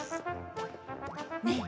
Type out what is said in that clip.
ねえ。